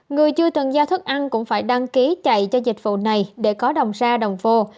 người chưa từng gia thức ăn cũng phải đăng ký chạy cho dịch vụ này để có đồng ra đồng phô